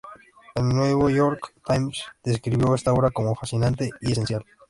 El New York Times describió esta obra como "fascinante y esencial".